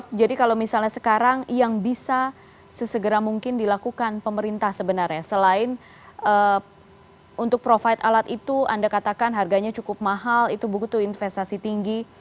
jadi ini adalah hal yang bisa diperlukan oleh pemerintah sekarang yang bisa sesegera mungkin dilakukan pemerintah sebenarnya selain untuk provide alat itu anda katakan harganya cukup mahal itu buktu investasi tinggi